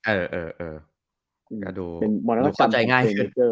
เออดูตอบใจง่าย